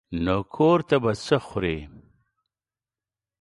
نو کور ته به څه خورې.